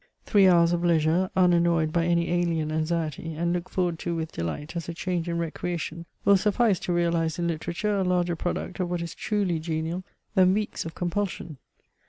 Three hours of leisure, unannoyed by any alien anxiety, and looked forward to with delight as a change and recreation, will suffice to realize in literature a larger product of what is truly genial, than weeks of compulsion.